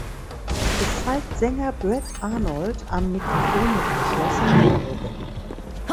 Es zeigt Sänger Brad Arnold am Mikrofon mit geschlossenen Augen.